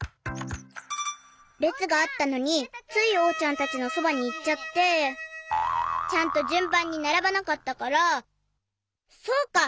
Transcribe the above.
れつがあったのについおうちゃんたちのそばにいっちゃってちゃんとじゅんばんにならばなかったからそうか！